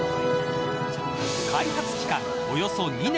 開発期間、およそ２年。